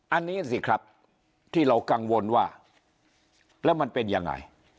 อันนี้สิครับที่เรากังวลว่าแล้วมันเป็นยังไง